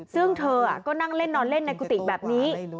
ซึ่งเธอก็นั่งเล่นนอนเล่นในกุฏิแบบนี้